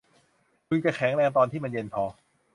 บึงจะแข็งตอนที่มันเย็นพอ